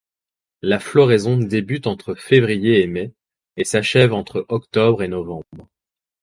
La floraison débute entre février et mai, et s'achève entre octobre et novembre.